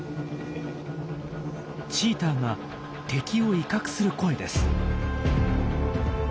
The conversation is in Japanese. チーターが敵を威嚇する声です。